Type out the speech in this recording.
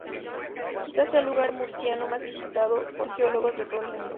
Quizás sea el lugar murciano más visitado por geólogos de todo el mundo.